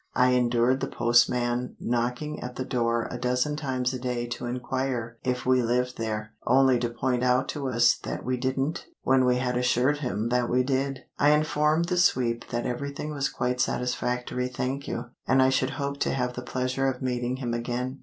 I endured the postman knocking at the door a dozen times a day to inquire if we lived there, only to point out to us that we didn't when we had assured him that we did. I informed the sweep that everything was quite satisfactory thank you, and I should hope to have the pleasure of meeting him again.